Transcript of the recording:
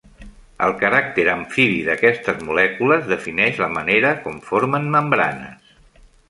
El caràcter amfibi d'aquestes molècules defineix la manera com formen membranes.